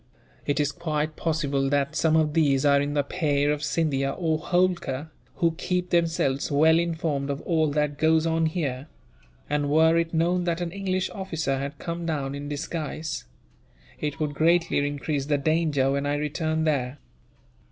It is quite possible that some of these are in the pay of Scindia, or Holkar, who keep themselves well informed of all that goes on here; and were it known that an English officer had come down in disguise, it would greatly increase the danger when I return there."